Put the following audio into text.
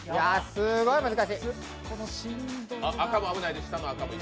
すごい難しい。